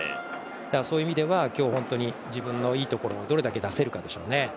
そういう意味では今日本当に、自分のいいところをどれだけ出せるかでしょうね。